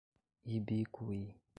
Ibicuí